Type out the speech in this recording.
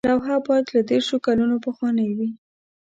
لوحه باید له دیرشو کلونو پخوانۍ وي.